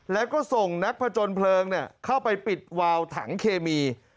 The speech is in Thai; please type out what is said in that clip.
แล้วก็ส่งนักผจญเพลิงเข้าไปปิดวาวถังเคมี